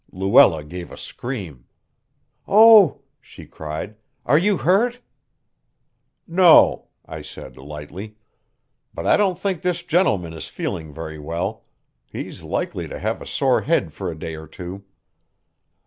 Luella gave a scream. "Oh!" she cried, "are you hurt?" "No," I said lightly, "but I don't think this gentleman is feeling very well. He's likely to have a sore head for a day or two."